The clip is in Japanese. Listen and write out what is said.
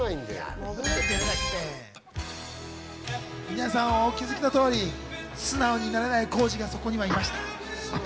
皆さんお気付きの通り、素直になれない浩次がそこにはいました。